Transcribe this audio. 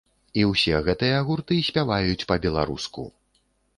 І ўсе гэтыя гурты спяваюць па-беларуску.